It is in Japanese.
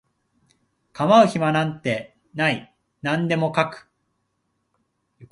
構う暇なんてない何でも描く